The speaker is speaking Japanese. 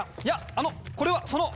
あのっこれはその。